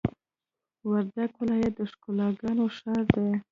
وردګ ولایت د ښکلاګانو ښار دی!